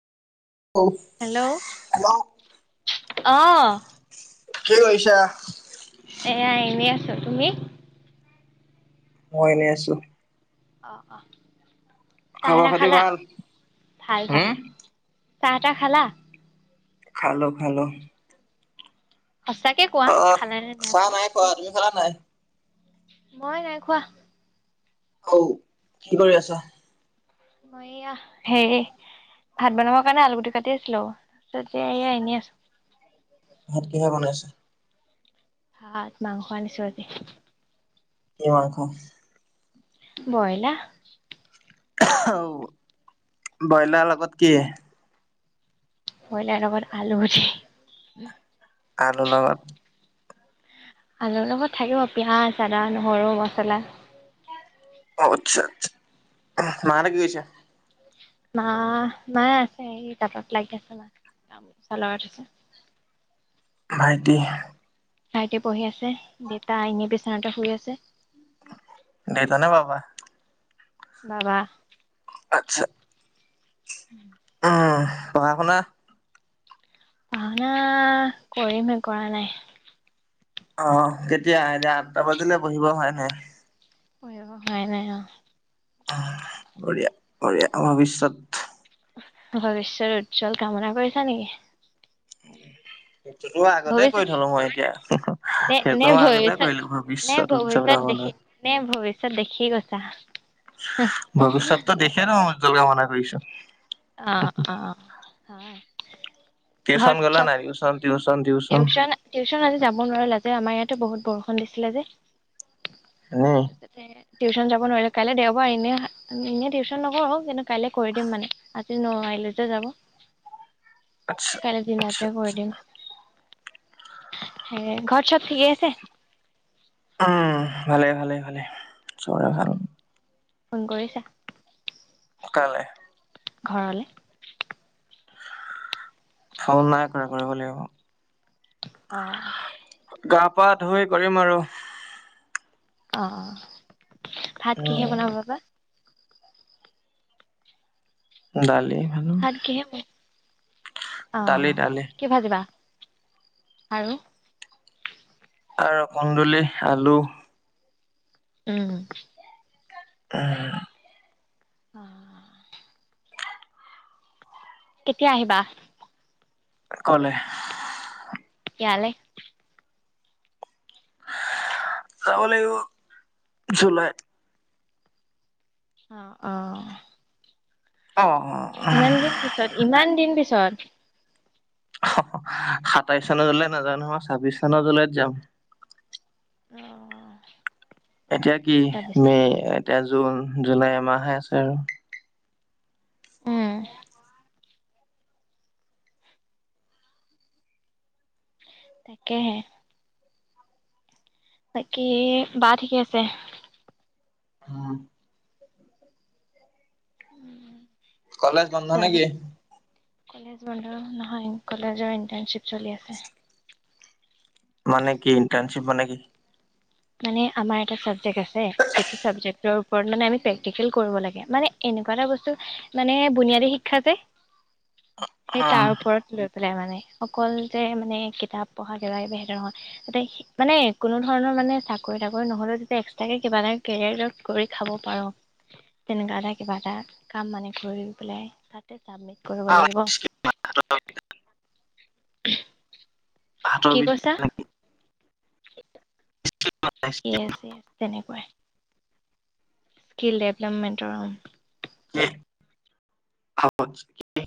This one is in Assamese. অউচ হেল্ল' অহ কি কৰিছা এয়া এনেই আছো তুমি মই এনেই আছো অ অ চাহ খবৰ তাহ খাতি খালা ভাল ভাল ভাল হম চাহ তাহ খালা খালো খালো সঁচাকে কোৱা অ খালে নে নাই খোৱা খালা নাই মই নাই খোৱা অও কি কৰি আছা মই এইয়া হেই ভাত বনাবৰ কাৰণে আলুগুটি কাটি আছিলো তেতিয়া এয়া এনেই আছো ভাত কিহে বনাইছা? ভাত মাংস আনিছো আজি কি মাংস ব্ৰইলা আহ ব্ৰইলাৰ লগত কি ব্ৰইলাৰ লগত আলুগুটি আলুৰ লগত আলুৰ লগত থাকিব পিয়াজ আদা নহৰু মচলা অ আচ্ছা আচ্ছা মাঁহতে কি কৰিছে মা মায়ে আছে এই তাতত লাগি আছে মা গামোচা লগাই থৈছে ভাইটি ভাইটি পঢ়ি আছে দেউতা এনে বিচনাতে শুই আছে দেতা নে বাবা বাবা আত্ছা উম উম পঢ়া শুনা পওনা কৰিমহে কৰা নাই অ কেতিয়া এতিয়া আঠটা বজিলে বহিব হয় নাই অ হয় নাই অ বঢ়িয়া বঢ়িয়া ভৱিষ্যত ভৱিষ্যৰ উজ্জ্বল কামনা কৰিছা নেকি সেইটোতো আগতে ভৱিষ্যত কৰি থলো মই এতিয়া নে নে সেইটো মই আগতে ভৱিষ্যত কৰিলো নে ভৱিষ্যয়ত উজ্জ্বল ভৱিষ্যত কামনা চ [unintelligible] ভৱিষ্যতটো দেখে ন মানে তোৰ কামনা কৰিছো হা [inaudible] টিউচন গলা নাই টিউচন টিউচন টিউচন টিউচন আজ যাব নোৱাৰোলা যে আমাৰ ইয়াত সিটো বহুত বৰষুণ দিছিলে যে তাৰ এনেই পিছতে [unintelligible] টিউচন যাব নোৱাৰিলো কাইলৈ দেওবাৰ এনে এনেই টিউচন নকৰো কিন্তু কাইলে কৰি দিম মানে আজি নোৱাৰিলো যে যাব আচ্ছা কালি আচ্ছা দিনতে কৰি আচ্ছা দিম হে ঘৰ চব ঠিকে আছে উম ভালে ভালে ভালে চৰা ভাল ফোন কৰিছা কালে ঘৰলে ফোন নাই কৰা কৰিব লাগিব অ গা পা ধুই কৰিম আৰু অ ভাত কিহে বনাব উম বাবা দালি ভালো আৰু কিহে হেম [unintelligible] অ দালি দালি কি ভাজিবা আৰু আৰু কুন্দুলি আলু উম উম অ কেতিয়া আহিবা কলে ইয়ালে যাব লাগিব জুলাইত অ অ অ অ ইমান দিন পিছত ইমান দিন পিছত চত সাতাইশ চনৰ জুলাই নাযাও নহয় ছাব্বিশ চনৰ জুলাইত যাম অ অ এতিয়া কি মে এতিয়া জু জুন জুলাই এ মাহে আছে আৰু উম তাকেহে বাকী বা ঠিকে আছে হ উম কলেজ বন্ধ নেকি? কলেজ বন্ধ নহয় কলেজৰ ইণ্টাৰনচিপ চলি আছে মানে কি ইণ্টাৰ্ণশ্বিপ মানে কি? মানে আমাৰ এটা চাবজেক্ট আছে, যিটো চাবজেক্টৰ ওপৰত মানে আমি প্ৰেক্টিকেল কৰিব লাগে। মানে এনেকুৱা এটা বস্তু মানে বুনিয়াদী শিক্ষা যে সেই তাৰ উম, ওপৰত লৈ মানে অকল যে মানে কিতাপ পঢ়া কিবা কিবি সেইটো নহয় তাতে মানে কোনো ধৰণৰ মানে চাকৰি তাকৰি নহ'লেও তেতিয়া এক্সট্ৰাকৈ কিবা এটা কেৰিয়াৰ কৰি খাব পাৰোঁ তেনেকুৱা এটা কিবা এটা কাম মানে কৰি পেলাই তাতে চাবমিট কৰিব লাগিব [inaudible] কি হাতৰ বিধ কৈছা নেকি [inaudible] ইয়েছ ইয়েছ তেনেকুৱাই স্কিল ডেভলপমেণ্টৰ হব [unintelligible]